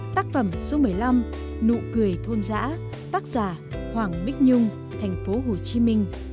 tác phẩm số một mươi năm nụ cười thôn dã tác giả hoàng bích nhung tp hcm